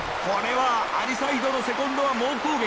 これはアリサイドのセコンドは猛攻